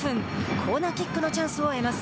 コーナーキックのチャンスを得ます。